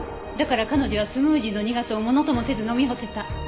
だから彼女はスムージーの苦さをものともせず飲み干せた。